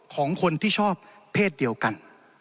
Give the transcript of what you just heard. ของคนที่ชอบเพศเดียวกัน